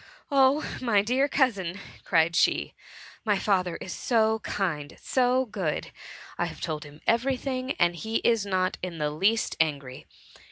*^ Oh, my dear cousin,*^ cried she, *^ my father is so kind ! so good ! I have told him 96 THE MUMKY. every thing, and he is not in the least angry.